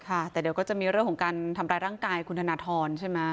ค่ะแต่เดี๋ยวก็จะมีเรื่องของการทำร้ายร่างกายคุณธนทรใช่ไหม